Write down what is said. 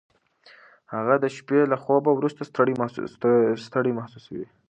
هغه د شپې له خوبه وروسته ستړی محسوسوي.